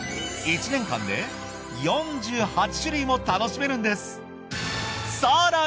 １年間で４８種類も楽しめるんです。